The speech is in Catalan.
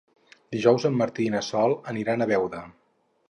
Dijous en Martí i na Sol aniran a Beuda.